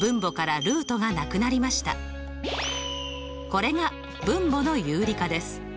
これが分母の有理化です。